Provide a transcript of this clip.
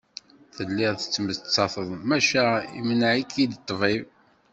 Telliḍ tettmettateḍ maca imneε-ik-id ṭṭbib.